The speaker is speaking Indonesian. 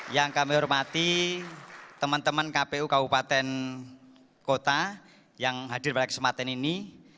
yang kami hormati teman teman kpu kabupaten kota yang hadir pada kesempatan ini